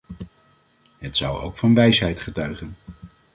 Het zou ook van wijsheid getuigen.